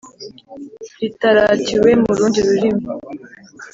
ritaratiwe mu rundi rurimi.